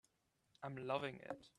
I'm loving it.